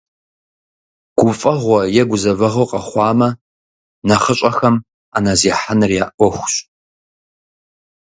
Гуфӏэгъуэ е гузэвэгъуэ къэхъуамэ, нэхъыщӏэхэм, ӏэнэ зехьэныр я ӏуэхущ.